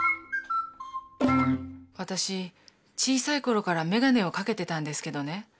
私小さい頃からメガネをかけてたんですけどね